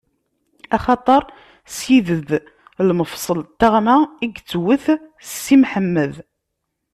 Axaṭer s ided n lmefṣel n taɣma i yettwet Si Mḥemmed.